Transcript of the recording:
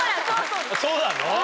そうなの？